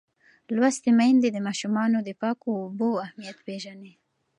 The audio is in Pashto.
ښوونځې لوستې میندې د ماشومانو د پاکو اوبو اهمیت پېژني.